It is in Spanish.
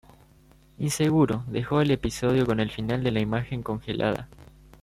Inseguro, dejó el episodio con el final de la imagen congelada.